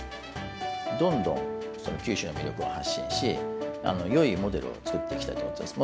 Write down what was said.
どんどん九州の魅力を発信し、よいモデルを作っていきたいと思ってるんです。